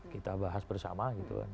kita bahas bersama gitu kan